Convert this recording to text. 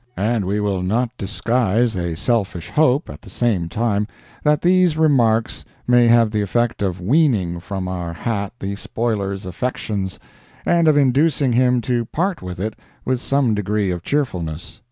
And we will not disguise a selfish hope, at the same time, that these remarks may have the effect of weaning from our hat the spoiler's affections, and of inducing him to part with it with some degree of cheerfulness.